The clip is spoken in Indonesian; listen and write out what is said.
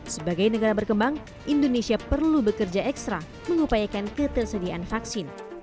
sebagai negara berkembang indonesia perlu bekerja ekstra mengupayakan ketersediaan vaksin